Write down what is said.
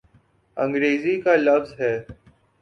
انگریزی کا لفظ ہے۔